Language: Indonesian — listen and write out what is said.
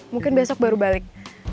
mungkin besok baru balik